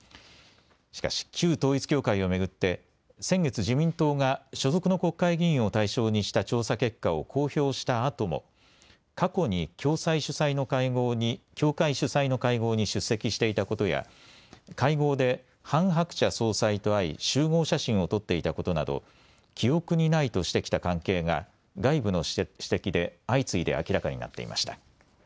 しかし旧統一教会を巡って先月、自民党が所属の国会議員を対象にした調査結果を公表したあとも過去に教会主催の会合に出席していたことや会合でハン・ハクチャ総裁と会い集合写真を撮っていたことなど記憶にないとしてきた関係が外部の指摘で相次いで明らかになっていました。